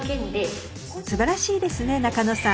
すばらしいですね仲野さん。